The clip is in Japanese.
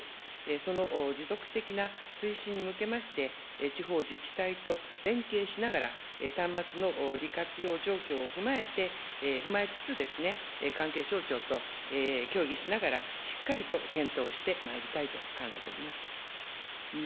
その持続的な推進に向けまして、地方自治体と連携しながら、端末の利活用状況を踏まえて、踏まえつつですね、関係省庁と協議しながら、しっかりと検討してまいりたいと考えております。